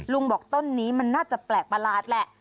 บอกต้นนี้มันน่าจะแปลกประหลาดแหละ